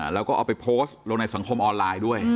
แล้วก็เอาไปโพสต์ลงในสังคมออนไลน์ด้วย